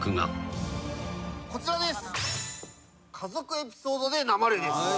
こちらです。